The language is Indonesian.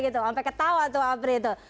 sampai ketawa tuh apri